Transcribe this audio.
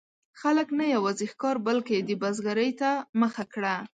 خلکو نه یوازې ښکار، بلکې د بزګرۍ ته مخه کړه.